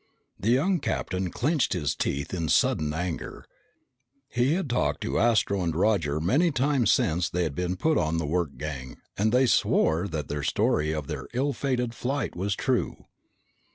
The young captain clenched his teeth in sudden anger. He had talked to Astro and Roger many times since they had been put on the work gang and they swore that their story of their ill fated flight was true.